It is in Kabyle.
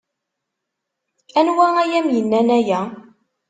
Anwa ay am-yennan aya?